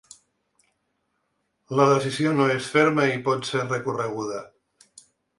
La decisió no és ferma i pot ser recorreguda.